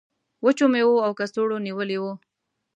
وچو میوو او کڅوړو نیولی و.